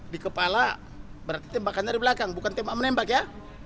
di kepala berarti tembakannya di belakang bukan tembak menembak ya